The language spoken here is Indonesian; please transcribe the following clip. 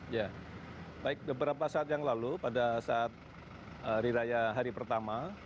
ya baik beberapa saat yang lalu pada saat hari raya hari pertama